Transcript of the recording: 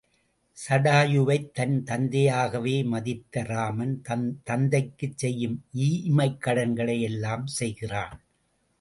சடாயுவைத் தன் தந்தையாகவே மதித்த ராமன், தன் தந்தைக்குச் செய்யும் ஈமக்கடன்களை எல்லாம் செய்கிறான்.